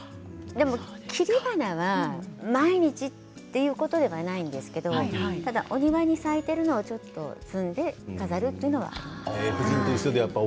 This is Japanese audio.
でも切り花は毎日ということではないんですけれどただお庭に咲いているものをちょっと摘んで飾るというのはあります。